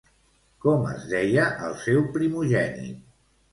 Com es deia el seu primogènit?